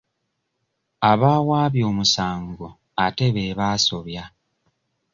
Abaawaabye omusango ate be basobya.